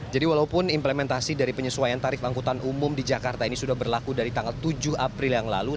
jadi walaupun implementasi dari penyesuaian tarif angkutan umum di jakarta ini sudah berlaku dari tanggal tujuh april yang lalu